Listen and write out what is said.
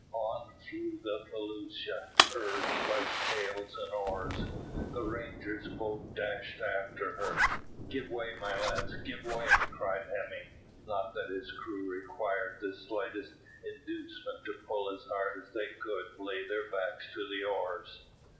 On flew the felucca, urged by sails and oars. The Ranger's boat dashed after her. "Give way, my lads, give way," cried Hemming; not that his crew required the slightest inducement to pull as hard as they could lay their backs to the oars.